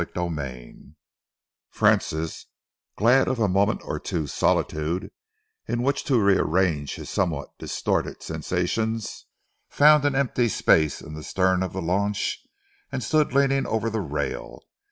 CHAPTER XXXV Francis, glad of a moment or two's solitude in which to rearrange his somewhat distorted sensations, found an empty space in the stern of the launch and stood leaning over the rail.